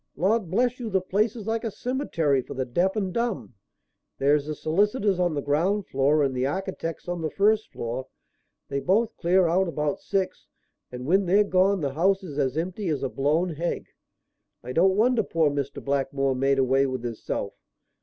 "Lord bless you the place is like a cemetery for the deaf and dumb. There's the solicitors on the ground floor and the architects on the first floor. They both clear out about six, and when they're gone the house is as empty as a blown hegg. I don't wonder poor Mr. Blackmore made away with his self.